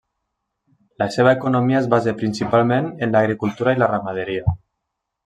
La seva economia es basa principalment en l'agricultura i la ramaderia.